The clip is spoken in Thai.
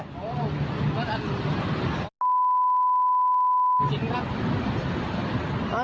อ๋อวัดอันสินครับ